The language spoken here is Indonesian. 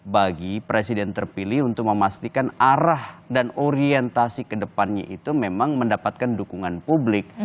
bagi presiden terpilih untuk memastikan arah dan orientasi ke depannya itu memang mendapatkan dukungan publik